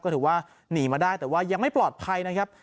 ก็ถือว่าหนีมาได้แต่ว่ายังไม่ปลอดภัยนะครับ